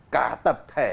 cả tập thể